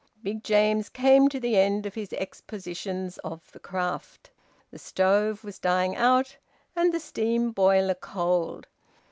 Big James came to the end of his expositions of the craft. The stove was dying out, and the steam boiler cold.